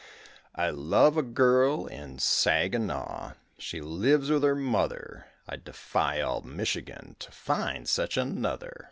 I love a girl in Saginaw; She lives with her mother; I defy all Michigan To find such another.